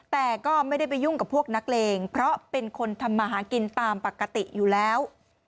แต่ก็ไม่ได้ไปยุ่งกับพวกนักเลงเพราะเป็นคนทำมาหากินตามปกติอยู่แล้ว